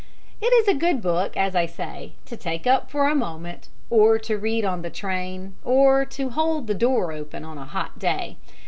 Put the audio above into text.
It is a good book, as I say, to take up for a moment, or to read on the train, or to hold the door open on a hot day.